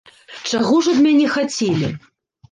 Чаго ж ад мяне хацелі?